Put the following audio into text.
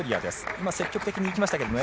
今、積極的に行きましたけどね。